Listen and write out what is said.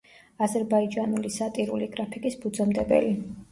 აზერბაიჯანული სატირული გრაფიკის ფუძემდებელი.